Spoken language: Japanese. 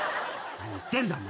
何言ってんだお前。